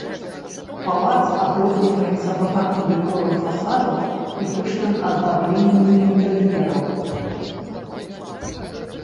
Палац адрозніваецца багатым дэкорам фасадаў і пышным аздабленнем інтэр'ераў.